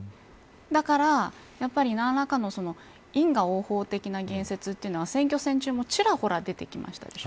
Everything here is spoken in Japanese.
だからやっぱり何らかの因果応報的な言説というのは選挙戦中もちらほら出てきました。